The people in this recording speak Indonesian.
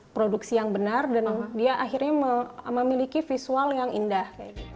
produksi yang benar dan dia akhirnya memiliki visual yang indah